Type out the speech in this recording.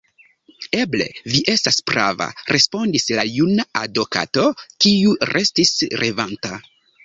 Eble vi estas prava, respondis la juna adokato, kiu restis revanta.